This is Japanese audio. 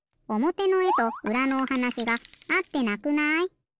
おもてのえとうらのおはなしがあってなくない？